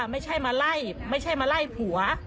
ไม่ใช่มาไล่ผัว